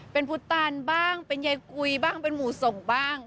เป็นพุทธตานบ้างเป็นยายกุยบ้างเป็นหมู่ส่งบ้าง